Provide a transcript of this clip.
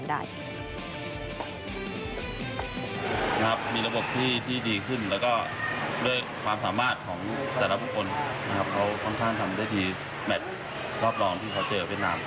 มีระบบที่ดีขึ้นและก็ด้วยความสามารถของแต่ละผู้คน